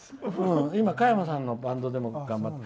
今、加山さんのバンドでも頑張ってて。